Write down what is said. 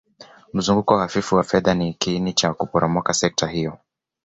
Mzunguko hafifu wa fedha ni kiini cha kuporomoka sekta hiyo